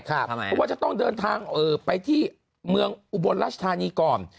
เพราะว่าจะต้องเดินทางไปที่เมืองอุบลรัชธานีก่อน